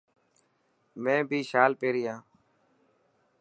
مين بي شال پيري هان.